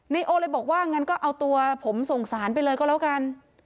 โอเลยบอกว่างั้นก็เอาตัวผมส่งสารไปเลยก็แล้วกัน